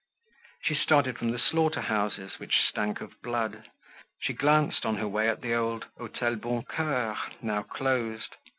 She started from the slaughter houses, which stank of blood. She glanced on her way at the old Hotel Boncoeur, now closed.